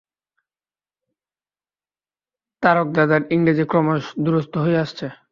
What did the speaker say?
তারকদাদার ইংরেজী ক্রমশ দুরস্ত হয়ে আসছে।